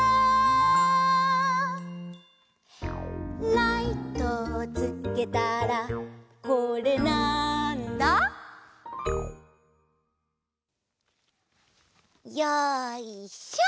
「ライトをつけたらこれ、なんだ？」よいしょ！